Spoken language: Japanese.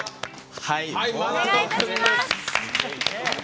はい！